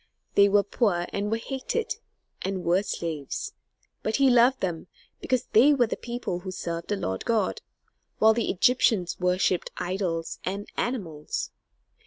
They were poor and were hated, and were slaves, but he loved them, because they were the people who served the Lord God, while the Egyptians worshipped idols and animals.